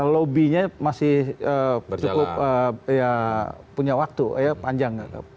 lobby nya masih cukup ya punya waktu ya panjang